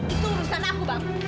itu urusan aku bang